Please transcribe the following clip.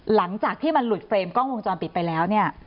หลังจากที่มันหลุดเฟรมกล้องวงจรปิดไปแล้วเนี่ย